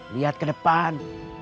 lihat ke depan